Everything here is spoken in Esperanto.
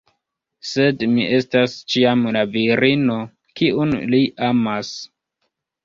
Sed mi estas ĉiam la virino, kiun li amas.